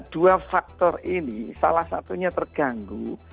dua faktor ini salah satunya terganggu